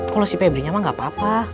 kalo si febri nya mah gak apa apa